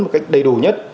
một cách đầy đủ nhất